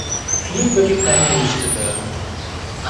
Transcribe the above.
Viel wird die Prämie nicht bewirken.